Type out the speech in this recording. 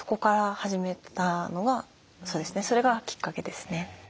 それがきっかけですね。